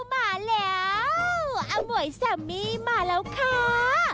อม่วยแซมมี่มาแล้วค้า